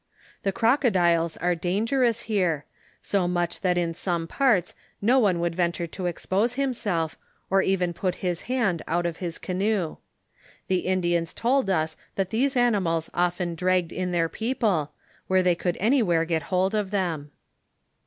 The crocodiles are dangerous here, so much so that in some parts no one would venture to expose himself, or even put his hand out of his canoe. The Indians told us that these animals often dragged in their people, where they could anywhere get hold of them.